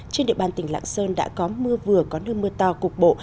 trên địa bàn tỉnh lạng sơn đã có mưa vừa có nơi mưa to cục bộ